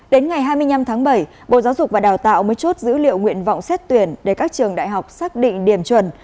đến ngày hai mươi năm tháng bảy bộ giáo dục và đào tạo mới chốt dữ liệu nguyện vọng xét tuyển để các trường đại học xác định điểm chuẩn